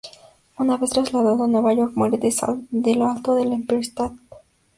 Una vez trasladado a Nueva York, muere desde lo alto del Empire State.